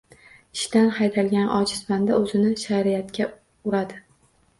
Ishdan haydalgan ojiz banda — o‘zini shariatga uradi.